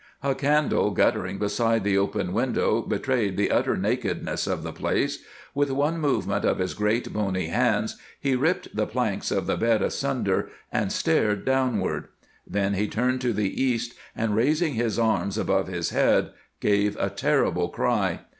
A candle guttering beside the open window betrayed the utter nakedness of the place. With one movement of his great, bony hands he ripped the planks of the bed asunder and stared downward. Then he turned to the east and, raising his arms above his head, gave a terrible cry.